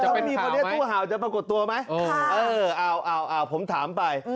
ถ้าไม่มีคนนี้ตู้เห่าจะปรากฏตัวไหมเออเอาผมถามไป